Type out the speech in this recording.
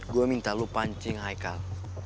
gue minta lu pancing haikal